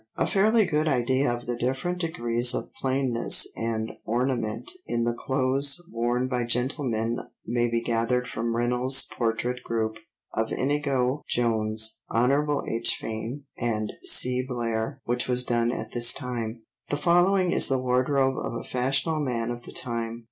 A fairly good idea of the different degrees of plainness and ornament in the clothes worn by gentlemen may be gathered from Reynold's portrait group of Inigo Jones, Hon. H. Fane, and C. Blair which was done at this time. The following is the wardrobe of a fashionable man of the time.